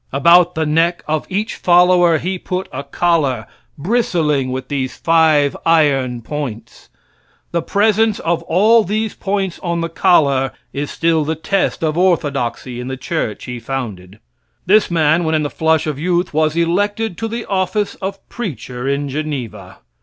About the neck of each follower he put a collar, bristling with these five iron points. The presence of all these points on the collar is still the test of orthodoxy in the church he founded. This man, when in the flush of youth, was elected to the office of preacher in Geneva.